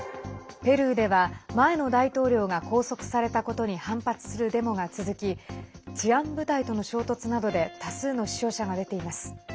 ペルーでは前の大統領が拘束されたことに反発するデモが続き治安部隊との衝突などで多数の死傷者が出ています。